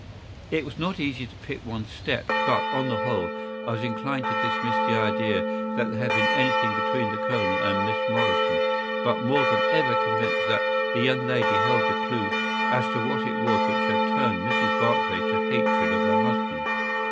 It was not easy to pick one's steps, but, on the whole, I was inclined to dismiss the idea that there had been anything between the Colonel and Miss Morrison, but more than ever convinced that the young lady held the clue as to what it was which had turned Mrs. Barclay to hatred of her husband.